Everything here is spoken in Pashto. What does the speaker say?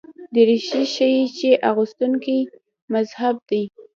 دریشي ښيي چې اغوستونکی مهذب دی.